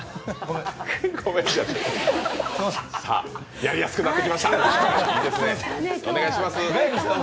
やりやすくなってきました。